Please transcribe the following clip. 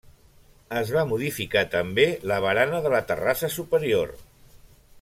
Es va modificar també la barana de la terrassa superior.